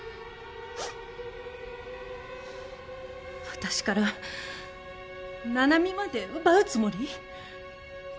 私から七海まで奪うつもり？